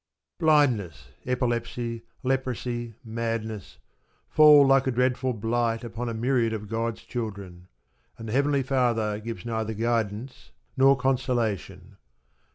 Blindness, epilepsy, leprosy, madness, fall like a dreadful blight upon a myriad of God's children, and the Heavenly Father gives neither guidance nor consolation.